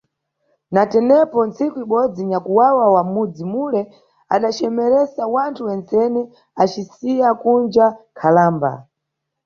Na tenepo, ntsiku ibodzi, nyakwawa wa m`mudzi mule adacemeresa wanthu wentsene acisiya kunja nkhalamba.